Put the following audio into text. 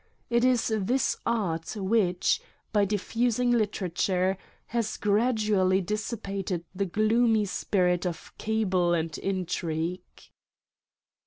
It is this art which, by diffusing literature, has gradually dissipated the gloomy spirit of cabal and intrigue.